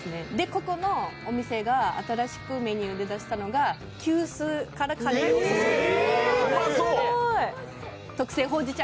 ここのお店が新しくメニューで出したのが急須からカレーを注ぐ特製ほうじ茶